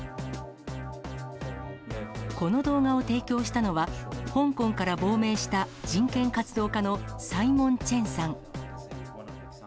この動画を提供したのは、香港から亡命した、人権活動家のサイモン・チェンさん。